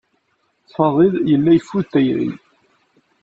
Fadil yella yeffud tayri.